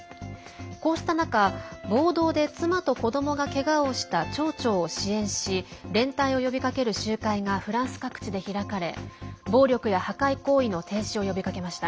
こうした中、暴動で妻と子どもがけがをした町長を支援し連帯を呼びかける集会がフランス各地で開かれ暴力や破壊行為の停止を呼びかけました。